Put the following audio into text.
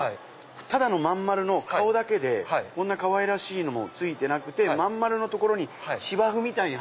ただの真ん丸の顔だけでこんなかわいらしいのもついてなくて真ん丸の所に芝生みたいに。